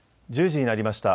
１０時になりました。